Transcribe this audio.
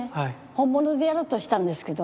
本物でやろうとしたんですけど。